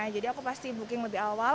jadi aku pasti booking lebih awal